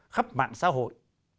của mạng xã hội